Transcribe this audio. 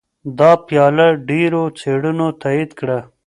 دا پایله ډېرو څېړنو تایید کړه.